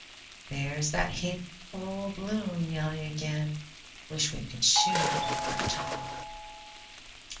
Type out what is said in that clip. "There's that hateful old loon yelling again; wish we could shoot him," remarked Tom.